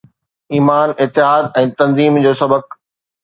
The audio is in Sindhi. ايمان، اتحاد ۽ تنظيم جو سبق